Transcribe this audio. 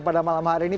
pada malam hari ini